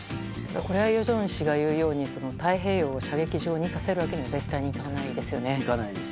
これは与正氏が言うように太平洋を射撃場にさせるわけには絶対にいかないですよね。